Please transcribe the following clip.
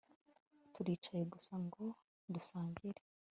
Turicaye gusa ngo dusangire